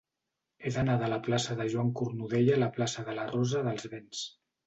He d'anar de la plaça de Joan Cornudella a la plaça de la Rosa dels Vents.